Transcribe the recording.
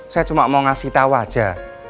saya cuma mau ngasih tahu aja